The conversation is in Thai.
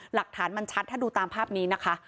หลักฐานมันชัดถ้าดูตามภาพนี้นะคะ